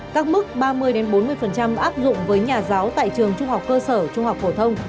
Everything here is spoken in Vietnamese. các mức ba mươi bốn mươi áp dụng với nhà giáo tại trường trung học cơ sở trung học phổ thông